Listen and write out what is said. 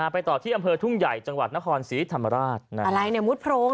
ไปต่อที่อำเภอทุ่งใหญ่จังหวัดนครสีธรรมราช